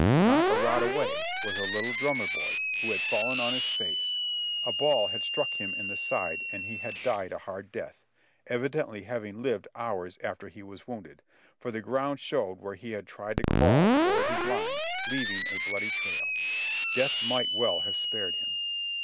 Not a rod away was a little drummer boy who had fallen on his face ; a ball had struck him in the side and he had died a hard death, evidently having lived hours after he was wounded, for the ground showed where he had tried to crawl toward his lines, leav ing a bloody trail. Death might well have spared him.